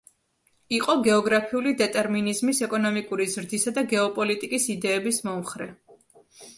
იყო გეოგრაფიული დეტერმინიზმის, ეკონომიკური ზრდისა და გეოპოლიტიკის იდეების მომხრე.